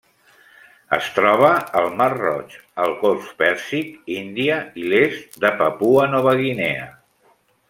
Es troba al Mar Roig, el Golf Pèrsic, Índia i l'est de Papua Nova Guinea.